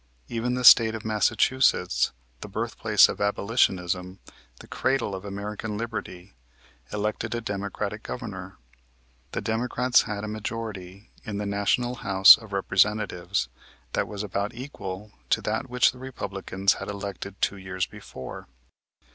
Even the State of Massachusetts, the birthplace of abolitionism, the cradle of American liberty, elected a Democratic Governor. The Democrats had a majority in the National House of Representatives that was about equal to that which the Republicans had elected two years before.